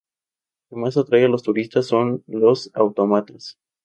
Lo que más atrae a los turistas son los autómatas.